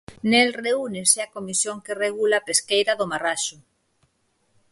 Nel reúnese a comisión que regula a pesqueira do marraxo.